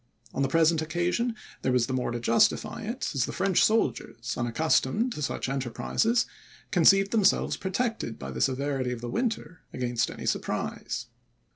On the present occasion, there was the more to justify it, as the French soldiers, unaccustomed to such enterprises, conceived themselves protected by the severity of the winter against any surprise.